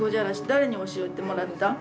誰に教えてもらった？